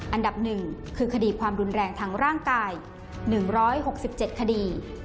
อันดับ๑คือคดีความรุนแรงทางร่างกาย๑๖๗คดี